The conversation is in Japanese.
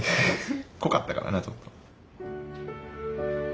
濃かったからなちょっと。